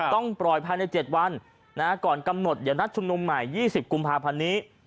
ต้องปล่อยภายใน๗วันก่อนกำหนดอย่างรัฐชนุมใหม่๒๐กุมภาพันนี้